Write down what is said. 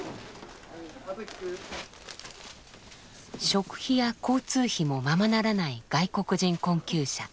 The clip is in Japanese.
食費や交通費もままならない外国人困窮者